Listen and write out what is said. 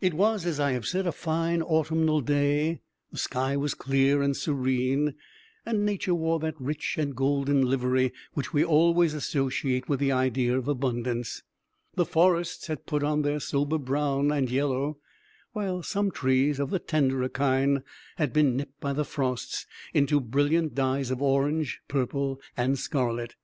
It was, as I have said, a fine autumnal day; the sky was clear and serene, and nature wore that rich and golden livery which we always associate with the idea of abundance. The forests had put on their sober brown and yellow, while some trees of the tenderer kind had been nipped by the frosts into brilliant dyes of orange, purple, and scarlet.